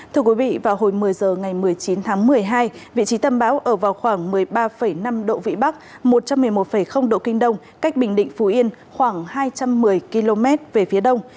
thưa quý vị vào hồi một mươi h ngày một mươi chín tháng một mươi hai vị trí tâm bão ở vào khoảng một mươi ba năm độ vĩ bắc một trăm một mươi một độ kinh đông cách bình định phú yên khoảng hai trăm một mươi km về phía đông